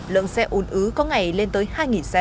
lượng xe ùn ứ có ngày lên tới hai xe